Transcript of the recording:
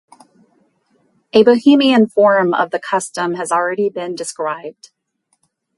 A Bohemian form of the custom has already been described.